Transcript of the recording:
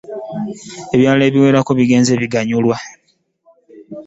Ebyalo ebiwerako bigenze biganyulwa.